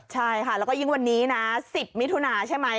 ใช่ค่ะแล้วก็ยิ่งวันนี้นะ๑๐มิถุนาใช่ไหม